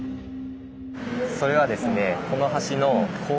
それはですね